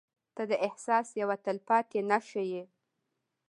• ته د احساس یوه تلپاتې نښه یې.